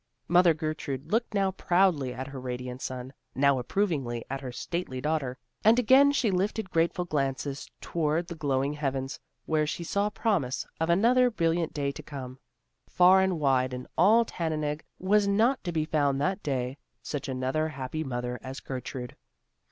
Mother Gertrude looked now proudly at her radiant son, now approvingly at her stately daughter, and again she lifted grateful glances towards the glowing heavens where she saw promise of another brilliant day to come. Far and wide, in all Tannenegg, was not to be found that day, such another happy mother as Gertrude.